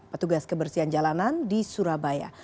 petugas kebersihan jalanan di surabaya